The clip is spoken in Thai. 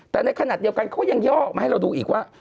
แต่ในขณะเดียวกันเขายังย่อออกมาให้เราดูอีกว่า